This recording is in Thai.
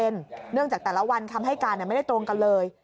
เนื่องจากแต่ละวันคำให้การไม่ได้ตรงกันเลย